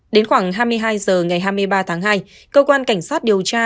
đến khoảng hai mươi hai h ngày hai mươi ba tháng hai cơ quan cảnh sát điều tra